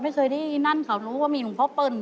ไม่เคยได้นั่นเขารู้ว่ามีหลวงพ่อเปิ้ล